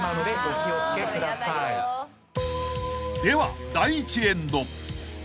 ［では］